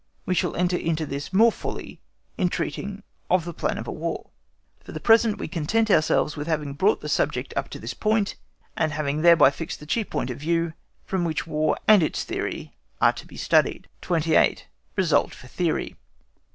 We shall enter into this more fully in treating of the plan of a War. For the present we content ourselves with having brought the subject up to this point, and having thereby fixed the chief point of view from which War and its theory are to be studied. 28. RESULT FOR THEORY.